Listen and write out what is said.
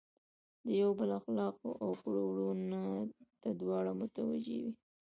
د یو بل اخلاقو او کړو وړو ته دواړه متوجه وي.